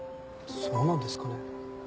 そうなんですかね。